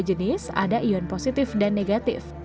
jadi dua jenis ada ion positif dan negatif